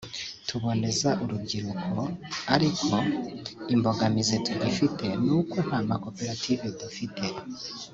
tuboneza urubyaro ariko imbogamizi tugifite ni uko nta makoperative dufite